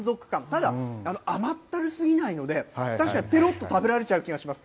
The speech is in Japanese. ただ、甘ったるすぎないので、確かにぺろっと食べられちゃう気がします。